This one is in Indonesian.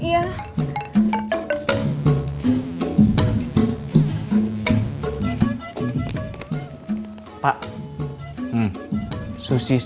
susi susilawati istrinya maman suherman yang ikut kang mus mau minta tolong sudah ada di teras